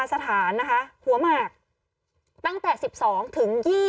กล้องกว้างอย่างเดียว